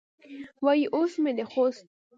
وایي اوس مې د خوست